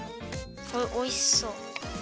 あっおいしそう。